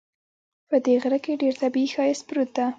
په دې غره کې ډېر طبیعي ښایست پروت ده